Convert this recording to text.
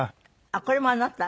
あっこれもあなた？